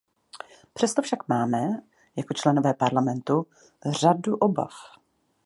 Přesto však máme, jako členové Parlamentu, řadu obav.